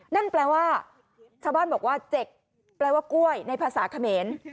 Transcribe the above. นั่นแปลว่าชาวบ้านบอกว่าเจ็กแปลว่ากล้วยในภาษาเขมร